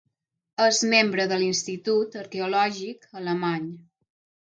És membre de l'Institut Arqueològic Alemany.